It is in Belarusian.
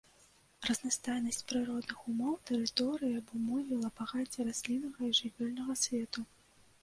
Разнастайнасць прыродных умоў тэрыторыі абумовіла багацце расліннага і жывёльнага свету.